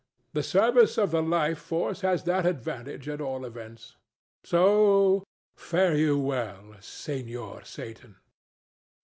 The service of the Life Force has that advantage, at all events. So fare you well, Senor Satan.